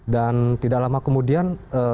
dan tidak lama kemudian